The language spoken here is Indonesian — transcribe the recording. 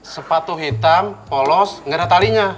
sepatu hitam polos nggak ada talinya